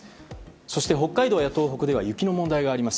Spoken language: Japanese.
そして北海道や東北では雪の問題があります。